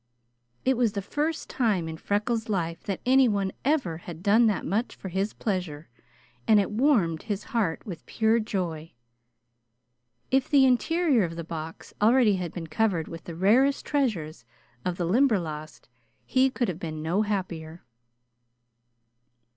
It was the first time in Freckles' life that anyone ever had done that much for his pleasure, and it warmed his heart with pure joy. If the interior of the box already had been covered with the rarest treasures of the Limberlost he could have been no happier.